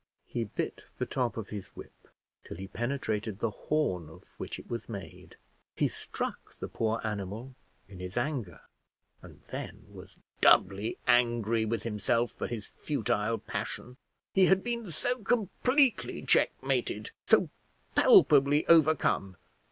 He bit the top of his whip, till he penetrated the horn of which it was made: he struck the poor animal in his anger, and then was doubly angry with himself at his futile passion. He had been so completely checkmated, so palpably overcome!